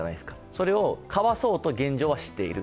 それをかわそうと現状はしている。